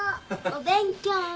お勉強。